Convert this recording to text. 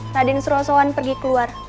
raden surasawan pergi keluar